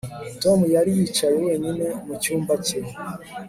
Tom yari yicaye wenyine mu cyumba cye